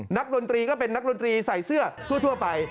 ดนตรีก็เป็นนักดนตรีใส่เสื้อทั่วไป